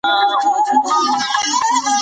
مور په اسلام کې د درناوي وړ مقام لري.